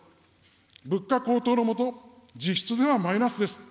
物価高騰の下、実質ではマイナスです。